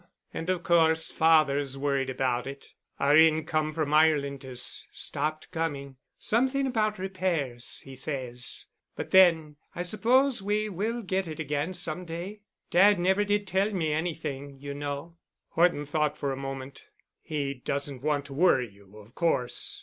And of course father's worried about it. Our income from Ireland has stopped coming—something about repairs, he says. But then, I suppose we will get it again some day. Dad never did tell me anything, you know." Horton thought for a moment. "He doesn't want to worry you, of course.